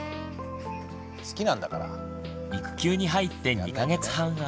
育休に入って２か月半余り。